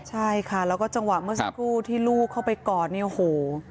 ใช่ค่ะแล้วก็จังหวะเมื่อสักครู่ที่ลูกเข้าไปกอดเนี่ยโอ้โห